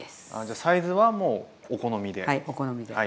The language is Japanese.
じゃあサイズはもうお好みで。